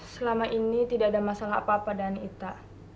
selama ini tidak ada masalah apa apa dengan kita